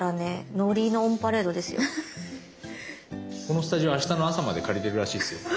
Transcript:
このスタジオあしたの朝まで借りてるらしいですよ。